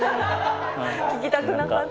聞きたくなかった。